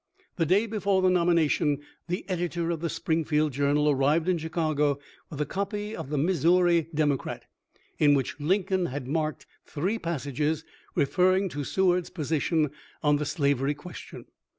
The day before the nomination the editor of the Springfield Journal arrived in Chicago with a copy of the Mis souri Democrat, in which Lincoln had marked three passages referring to Seward's position on the slav ery question.